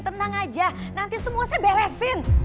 tenang aja nanti semua saya beresin